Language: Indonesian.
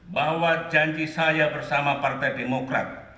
bahwa janji saya bersama partai demokrat